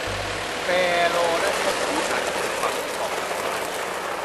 แปโรได้พบศีรษะที่ถูกฝังในกล่องลังไม้